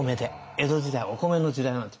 江戸時代お米の時代なんです。